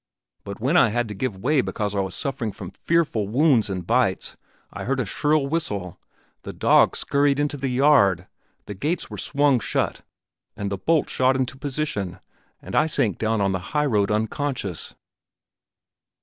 But when I had to give way because I was suffering from fearful wounds and bites, I heard a shrill whistle; the dogs scurried into the yard, the gates were swung shut and the bolt shot into position, and I sank down on the highroad unconscious."